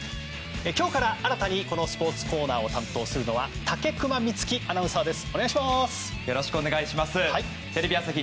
今日から新たにこのスポーツコーナーを担当するのは武隈光希アナウンサーです。